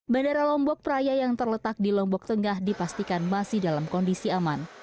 bandara lombok praya yang terletak di lombok tengah dipastikan masih dalam kondisi aman